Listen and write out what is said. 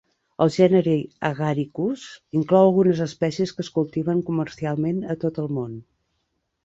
El gènere "Agaricus" inclou algunes espècies que es cultiven comercialment a tot el món.